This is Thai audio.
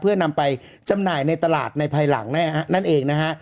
เพื่อนำไปจำหน่ายในตลาดในภายหลังนั่นเองนะฮะ